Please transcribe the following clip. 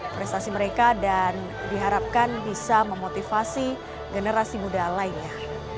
prestasi mereka dan diharapkan bisa memotivasi generasi muda lainnya